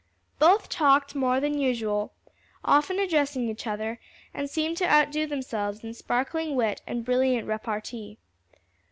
Both talked more than usual, often addressing each other, and seemed to outdo themselves in sparkling wit and brilliant repartee.